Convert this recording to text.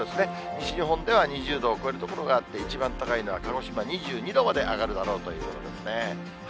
西日本では２０度を超える所があって、一番高いのは鹿児島２２度まで上がるだろうということですね。